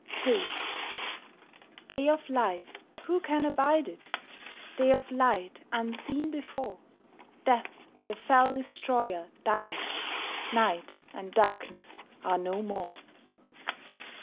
II Day of life, who can abide it? Day of light, unseen before; Death, the fell destroyer, dieth, Night and darkness are no more.